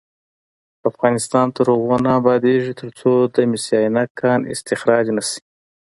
افغانستان تر هغو نه ابادیږي، ترڅو د مس عینک کان استخراج نشي.